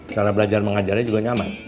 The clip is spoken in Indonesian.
cara belajar mengajarnya juga nyaman